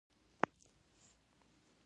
د قېمتونو سیستم له نوښتونو سره اړیکه نه لرله.